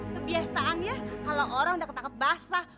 kebiasaannya kalau orang udah ketangkap basah